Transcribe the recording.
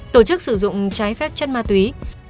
tổ chức sử dụng trái phép chất ma túy